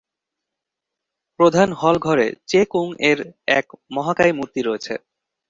প্রধান হল ঘরে চে কুং এর এক মহাকায় মূর্তি রয়েছে।